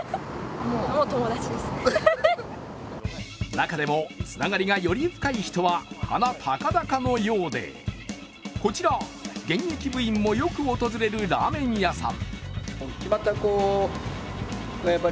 中でもつながりがより深い人は鼻高々のようでこちら、現役部員もよく訪れるラーメン屋さん。